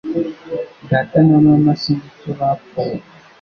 Data na mama sinzi icyo bapfuye